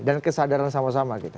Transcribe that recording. dan kesadaran sama sama gitu